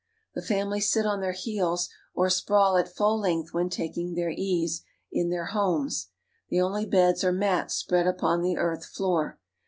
The family sit on their heels or sprawl at full length when taking their ease in their homes. The only beds are mats spread upon the earth floor.